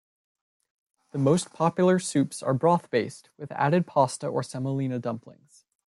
The most popular soups are broth based, with added pasta or semolina dumplings.